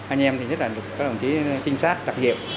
anh em thì nhất là các đồng chí trinh sát đặc hiệp